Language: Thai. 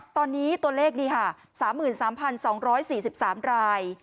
ตอนนี้ตัวเลขนี่ค่ะ๓๓๒๔๓ราย